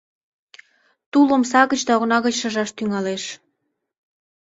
Тул омса гыч да окна гыч шыжаш тӱҥалеш.